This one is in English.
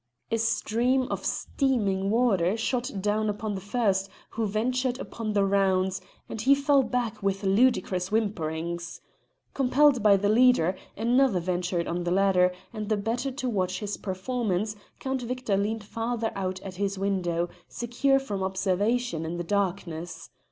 A stream of steaming water shot down upon the first who ventured upon the rounds, and he fell back with ludicrous whimperings. Compelled by the leader, another ventured on the ladder, and the better to watch his performance Count Victor leaned farther out at his window, secure from observation in the darkness.